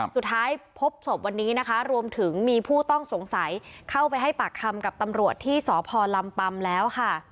สุดท้ายพบศพวันนี้นะคะรวมถึงมีผู้ต้องสงสัยเข้าไปให้ปากคำกับตำรวจที่สพลำปัมแล้วค่ะ